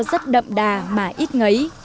rất đậm đà mà ít ngấy